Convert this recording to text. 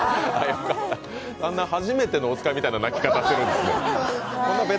そんな「はじめてのおつかい」みたいな泣き方するんですね。